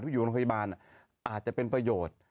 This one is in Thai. อยู่โรงพยาบาลอาจจะเป็นประโยชน์